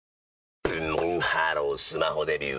ブンブンハロースマホデビュー！